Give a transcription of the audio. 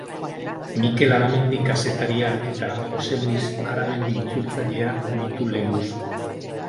Mikel Aramendi kazetaria eta Joxe Luis Aramendi itzultzailea ditu lehengusu.